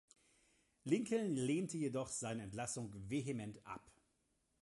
Lincoln lehnte jedoch seine Entlassung vehement ab.